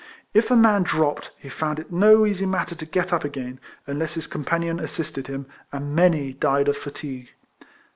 If a man dropped, he found it no easy matter to get up again, unless his companion assisted him, and many died of fatigue.